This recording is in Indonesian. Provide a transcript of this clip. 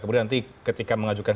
kemudian nanti ketika mengajukan